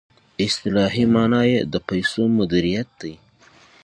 اصطلاحي معنی یې د پیسو مدیریت دی.